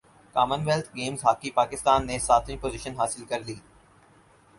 common wealth Games hockey Pakistan نے ساتویں position حاصل کر لی